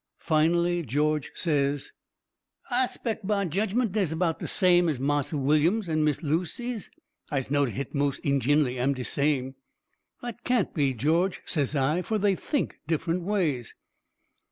Finally George says: "I'se 'spec' mah jedgment des about de same as Marse WILLyum's an' Miss LUCY's. I'se notice hit mos' ingin'lly am de same." "That can't be, George," says I, "fur they think different ways."